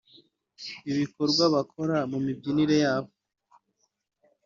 ibikorwa bakora mu mibyinire yabo